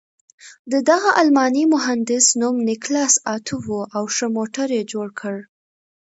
د دغه الماني مهندس نوم نیکلاس اتو و او ښه موټر یې جوړ کړ.